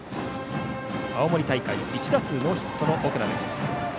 青森大会１打席ノーヒットの奥名。